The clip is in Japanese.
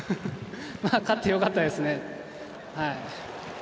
勝ってよかったですね。